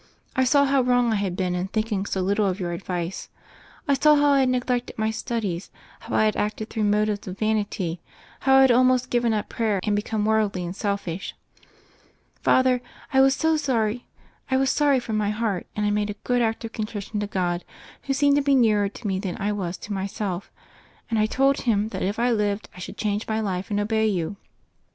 I saw how wrong I had been in thinking so little of your advice; I saw how I had neglected my studies, how I had acted through motives of vanity, how I had al most given up prayer and become worldly and selfish. Father, I was sorry from my heart, and I made a good act of contrition to God, who seemed to be nearer to me than I was to myself; and I told Him that if I lived I should change my life and obey you.